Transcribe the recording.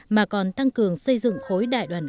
mà còn tăng cường xây dựng khối đại đoàn kinh tế